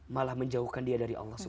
malah menjauhkan dia dari allah